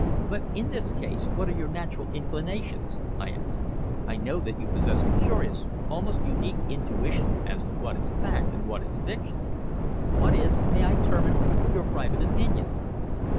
"But in this case, what are your natural inclinations?" I asked. "I know that you possess a curious, almost unique, intuition as to what is fact and what is fiction. What is, may I term it, your private opinion?"